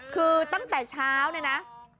คือตั้งแต่เช้าเนี่ยนะ